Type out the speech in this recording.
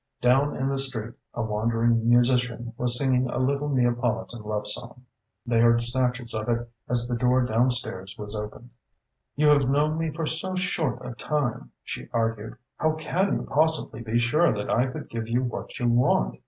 Down in the street a wandering musician was singing a little Neapolitan love song. They heard snatches of it as the door downstairs was opened. "You have known me for so short a time," she argued. "How can you possibly be sure that I could give you what you want?